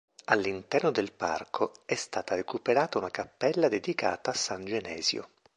All'interno del parco è stata recuperata una cappella dedicata a San Genesio.